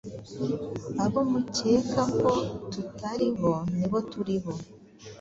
Abo mucyeka ko tutaribo nibo turibo